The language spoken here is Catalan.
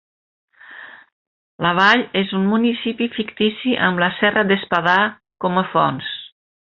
La Vall és un municipi fictici amb la Serra d'Espadà com a fons.